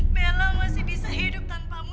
bella masih bisa hidup tanpamu